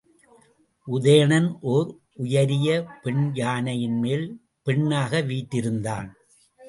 உதயணன் ஓர் உயரிய பெண் யானையின்மேல் பெண்ணாக வீற்றிருந்தான்.